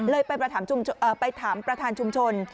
ไปถามประธานชุมชน